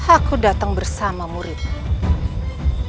aku datang bersama muridmu